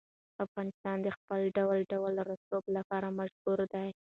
افغانستان د خپل ډول ډول رسوب لپاره مشهور دی.